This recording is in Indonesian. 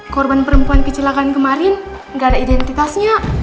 korban perempuan kecelakaan kemarin nggak ada identitasnya